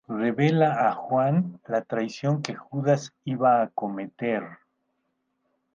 Revela a Juan la traición que Judas iba a cometer.